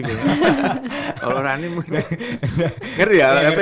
kalau orang ini munti